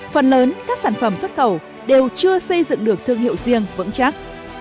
phần lớn các sản phẩm xuất khẩu đều chưa xây dựng được thương hiệu riêng vững chắc